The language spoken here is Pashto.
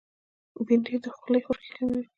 بېنډۍ د خولې خشکي کموي